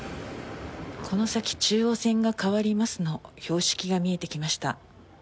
「この先中央線が変わります」の標識が見えてきました。